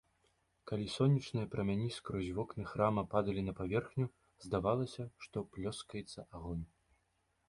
Калі сонечныя прамяні скрозь вокны храма падалі на паверхню, здавалася, што плёскаецца агонь.